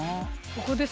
ここです。